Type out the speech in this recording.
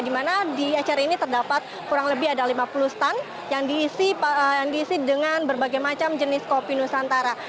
di mana di acara ini terdapat kurang lebih ada lima puluh stand yang diisi dengan berbagai macam jenis kopi nusantara